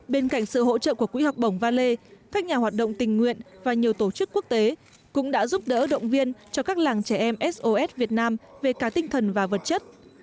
bên cạnh sự hỗ trợ của quỹ học bổng valet các nhà hoạt động tình nguyện và nhiều tổ chức quốc tế cũng đã giúp đỡ động viên cho các làng trẻ em sos việt nam về cả tinh thần và vật chất